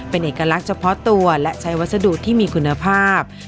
เป็นเอกลักษณ์เฉพาะตัวและใช้วัสดุที่มีคุณภาพ